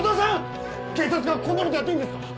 警察がこんなことやっていいんですか！？